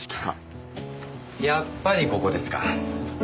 やっぱりここですか。